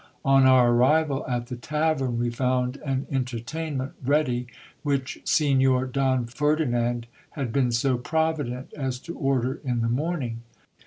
On our arrival at the tavern, we found an entertainment ready which Signor Don Ferdinand had been so provident as to order in the morning.